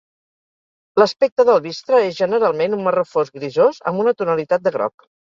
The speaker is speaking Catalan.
L'aspecte del bistre és generalment un marró fosc grisós amb una tonalitat de groc.